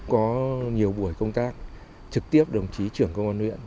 có nhiều buổi công tác trực tiếp đồng chí trưởng công an huyện